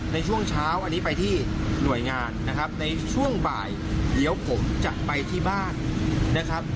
ในช่วงเช้าอันนี้ไปที่หน่วยงานนะครับในช่วงบ่ายเดี๋ยวผมจะไปที่บ้านนะครับ